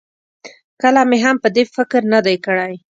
کله مې هم په دې فکر نه دی کړی.